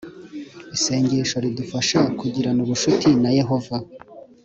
Isengesho ridufasha kugirana ubucuti na yehova